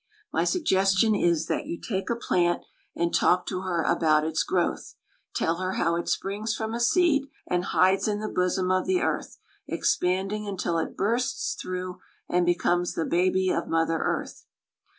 My suggestion is that you take a plant, and talk to her about its growth. Tell her how it springs from a seed, and hides in the bosom of the earth, expanding until it bursts through, and becomes the baby of mother earth.